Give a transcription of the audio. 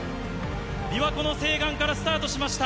びわ湖の西岸からスタートしました、